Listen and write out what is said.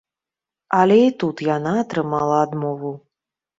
Але і тут яна атрымала адмову.